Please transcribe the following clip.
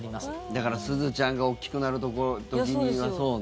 だから、すずちゃんが大きくなる時には、そうね。